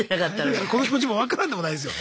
だからこの気持ちも分からんでもないですよ。